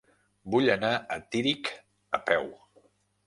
Vull anar a Tírig a peu.